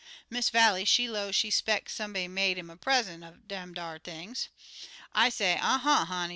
"Miss Vallie, she low she 'speck somebody made 'im a present er dem ar things. I say, 'Uh uh, honey!